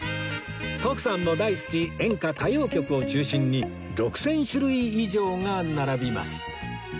徳さんも大好き演歌・歌謡曲を中心に６０００種類以上が並びます